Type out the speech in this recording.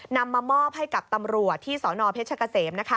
นำมามอบให้กับตำรวจที่สนเพชรกะเสม